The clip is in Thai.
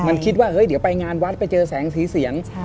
มันคิดว่าเฮ้ยเดี๋ยวไปงานวัดไปเจอแสงสีเสียง